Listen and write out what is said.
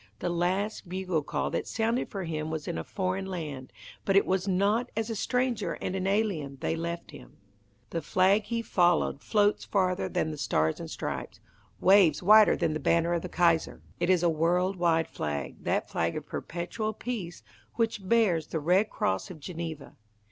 The last bugle call that sounded for him was in a foreign land, but it was not as a stranger and an alien they left him. The flag he followed floats farther than the Stars and Stripes, waves wider than the banner of the Kaiser. It is a world wide flag, that flag of perpetual peace which bears the Red Cross of Geneva.